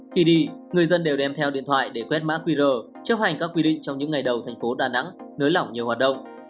khi đi người dân đều đem theo điện thoại để quét mã qr chấp hành các quy định trong những ngày đầu thành phố đà nẵng nới lỏng nhiều hoạt động